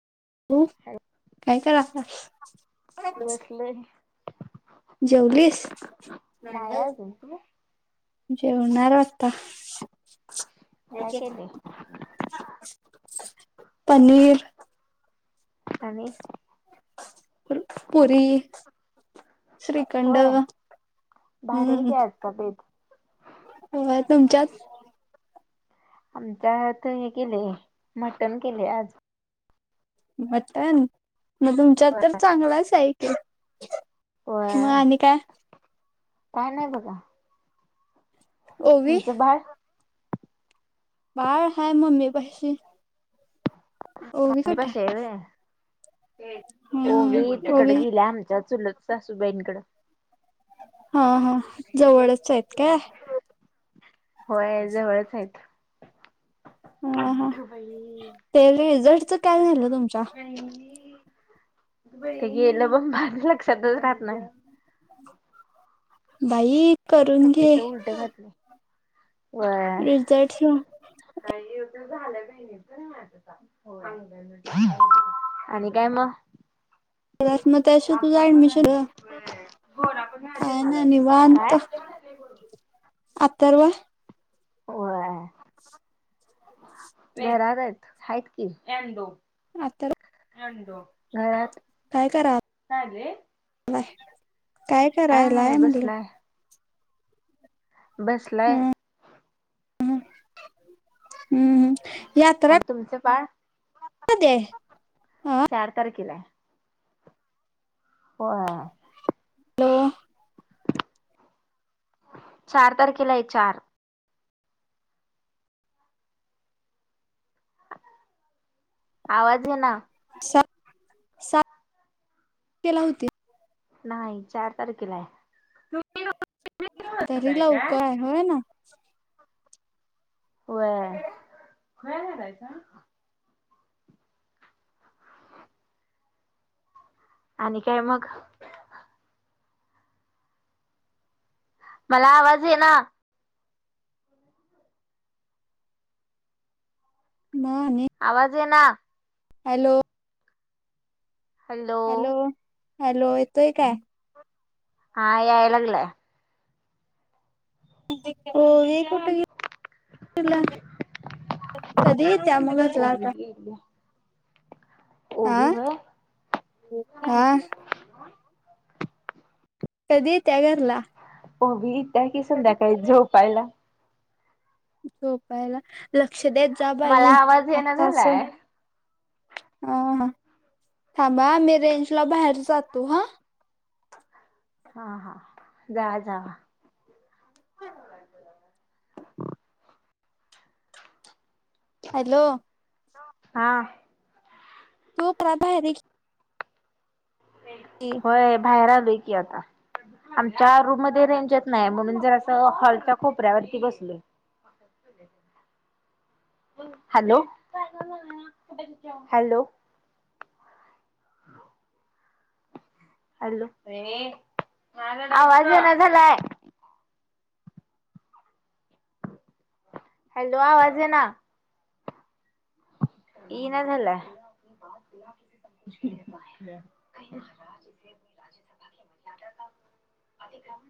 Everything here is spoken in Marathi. हम्म हॅलो काय करा? [unintelligible] बसलोय जेवलीस? नाही अजून तू? जेवणार आता. काय केले पनीर आणि पुरी श्रीखंड होय, भारी आहे हम्म की आजचा बेत. होय तुमच्यात? आमच्यात हे केलय मटण केलय आज. मटन? म तुमच्यात तर चांगलाच आहे की. म होय आणि काय? काय नाही बघा. ओवी तुमच बाळ? बाळ हाय मम्मी पशी, ओवी आम्ही कुठ पाशी हाय? आहे व्हय ओवी हम्म तिकड ओवी गेल्या आमच्या चुलत सासूबाईंकड. हां हं जवळच आहेत काय? होय जवळच हाईत. हा हा ते रिझल्टचं काय झालं तुमच्या? ते गेलं ब माझा लक्षातच राहत नाय. बाई करून घे टकुच उलट घातलय. व्हय रिझल्ट झालं [unintelligible] [unintelligible] आणि काय मग. परत मग त्या दिवशी तुझं ऍडमिशन ग [unintelligible] व्हय [unintelligible] काय नाय निवांत अथर्व. होहाय घरात आहेत आहेत की [unintelligible] आता [unintelligible] [unintelligible] घरात काय करा व काय आणले. काय नाही करायलाय म्हणल? बसलाय बसलाय. हम्म हम् यात्रा. आणि तुमचं बाळ मद [unintelligible] चार तारखेलाय. व्ह य... ऐ ऐ... चार तारखेलाय चार. आवाज येईना. सात सात केला होती. नाही चार तारखेला आहे. तरी लवकर हाय होय ना. होय.... आणि काय मग.. मला आवाज येना ना आणि आवाज येना हॅलो हॅलो हॅलो हॅलो येतोय काय? हा याय लागलाय ओवी कुठं गेली. तुला... कधी येतीया मग घरला ओवी आता गेली हा ओवी ग हा कधी येतीया घरला. ओवी येतीयाकी संध्याकाळी झोपायला. झोपायला. लक्ष देत जा, मला बाई आवाज येना आता अस. झालाय. ह हा थांबाहा मी रेंज ला बाहेर जातो हा. हा हा जा जा.. अ [unintelligible] हॅलो हॅलो हा ते प्रभा आहेरी [unintelligible] हं. होय बाहेर आलोय की आता. आमच्या रूम मध्ये रेंज येत नाही म्हणून जरास असं हॉलच्या कोपऱ्यावरती बसले. ह. Hello hello. हॅलो आवाज येना झालाय? हॅलो आवाज येईना. येईना झालाय.